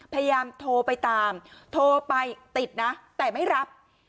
พยายามโทรไปตามโทรไปติดนะแต่ไม่รับ